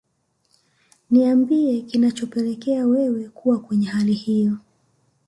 niambie kinachopelekea wewe kuwa kwenye hali hiyo